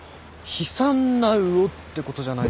悲惨な魚ってことじゃないですか？